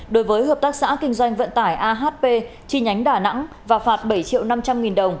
đối với hợp tác xã kinh doanh vận tải ahp chi nhánh đà nẵng và phạt bảy triệu năm trăm linh nghìn đồng